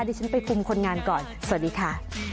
ดิฉันไปคุมคนงานก่อนสวัสดีค่ะ